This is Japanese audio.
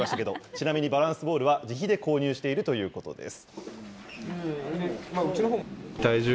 ちなみにバランスボールは自費で購入しているということです。